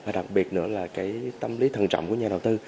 và đặc biệt nữa là tâm lý thần trọng của nhà đầu tư